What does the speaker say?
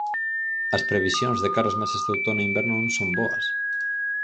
As previsións de cara aos meses de outono é inverno non son boas.